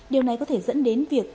điều này có thể dẫn đến việc